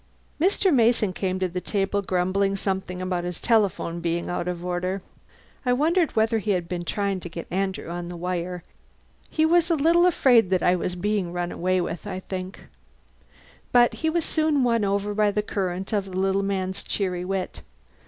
Mr. Mason came to the table grumbling something about his telephone being out of order (I wondered whether he had been trying to get Andrew on the wire; he was a little afraid that I was being run away with, I think) but he was soon won over by the current of the little man's cheery wit.